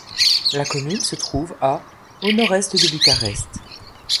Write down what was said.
La commune se trouve à au nord-est de Bucarest.